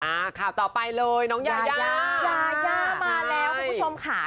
อ่าข่าวต่อไปเลยน้องยายามาแล้วคุณผู้ชมค่ะ